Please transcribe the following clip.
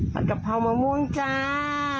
กะเพรามะม่วงจ้า